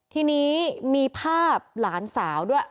ทีนี้มีภาพหลานสาวด้วย